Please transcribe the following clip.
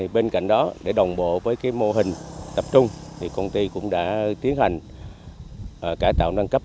bên cạnh đó để đồng bộ với mô hình tập trung công ty cũng đã tiến hành cải tạo nâng cấp